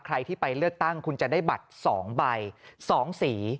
ใครที่ไปเลือกตั้งคุณจะได้บัตร๒ใบ๒สี